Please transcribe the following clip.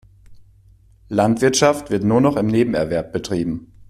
Landwirtschaft wird nur noch im Nebenerwerb betrieben.